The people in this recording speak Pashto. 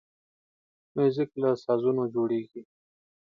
موزیک له سازونو جوړیږي.